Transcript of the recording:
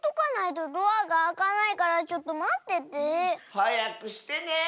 はやくしてね！